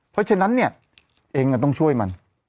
เพราะฉะนั้นเนี่ยเองต้องช่วยมัน